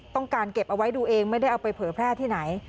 ต้องการเก็บเอาไว้ดูเองไม่ได้เอาไปเผยแพร่ที่ไหน